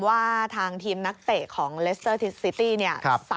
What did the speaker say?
ว่าทางทีมนักเตะของเลสเตอร์ทิสซิตี้เนี่ย